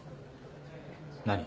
何？